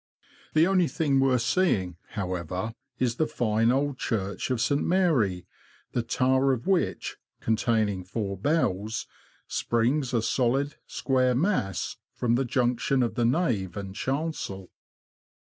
The only thing worth seeing, however, is the fine old church of St. Mary, the tower of which (containing four bells) springs, a solid, square mass, from the junction of the nave and chancel.